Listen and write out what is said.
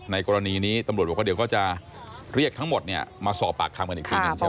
กรณีนี้ตำรวจบอกว่าเดี๋ยวก็จะเรียกทั้งหมดเนี่ยมาสอบปากคำกันอีกทีหนึ่งใช่ไหม